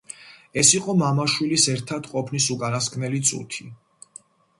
ეს იყო მამა-შვილის ერთად ყოფნის უკანასკნელი წუთი.